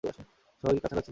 সবই কি কাছাকাছি?